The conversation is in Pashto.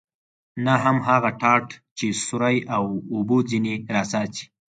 نه هم هغه ټاټ چې سوری و او اوبه ځنې را څاڅي.